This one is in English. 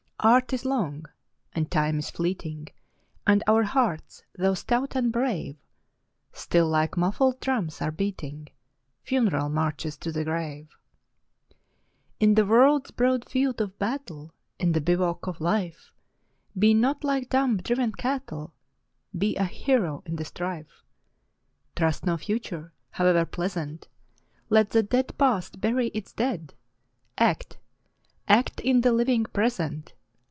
Art is long, and Time is fleeting, And our hearts, though stout and brave, Still, like muffled drums, are beating Funeral marches to the grave. In the world's broad field of battle, In the bivouac of Life, Be not like dumb, driven cattle ! Be a hero in the strife ! Trust no Future, howe'er pleasant ! Let the dead Past bury its dead ! Act, — act in the living Present